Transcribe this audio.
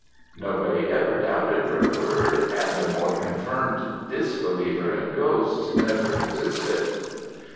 Nobody ever doubted her word, and a more confirmed disbeliever in ghosts never existed.